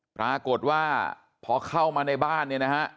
ปรากฏว่าพอเข้ามาในบ้านเนี่ยนะฮะ